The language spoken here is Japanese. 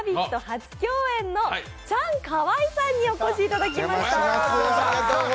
初共演のチャンカワイさんにお越しいただきました。